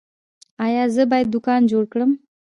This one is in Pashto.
ایا زه باید دوکان جوړ کړم؟